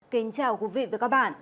kính chào quý vị và các bạn